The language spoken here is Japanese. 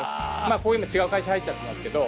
ここ今違う会社入っちゃってますけど。